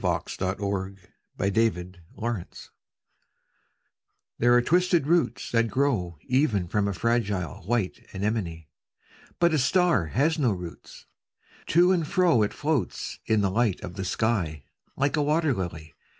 DiqllzodbvCoOgle STAR SONG These are twisted roots that grow Even from a fragile white anemone. 'But a star has no roots : to and fro It floats in the light of the sky, like a wat«r ]ily.